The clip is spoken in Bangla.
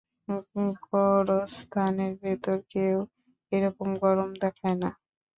গোরস্থানের ভেতর কেউ এরকম গরম দেখায় না।